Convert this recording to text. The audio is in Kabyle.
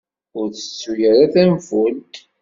Ur ttettu ara tanfult.